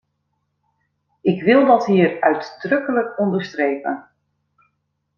Ik wil dat hier uitdrukkelijk onderstrepen.